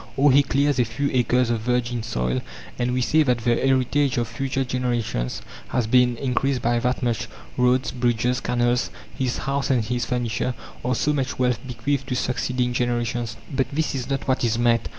Or he clears a few acres of virgin soil, and we say that the heritage of future generations has been increased by that much. Roads, bridges, canals, his house and his furniture are so much wealth bequeathed to succeeding generations. But this is not what is meant.